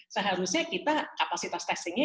seharusnya kita kapasitas testingnya